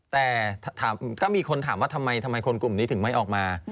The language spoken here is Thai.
แต่ก็มีคนถามว่าทำไมคนกลุ่มนี้ถึงไม่ออกมา